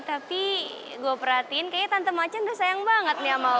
tapi gua perhatiin kayaknya tante macem udah sayang banget ya mau